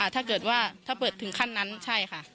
ถ้าเกิดว่าถ้าเปิดถึงขั้นนั้นใช่ค่ะ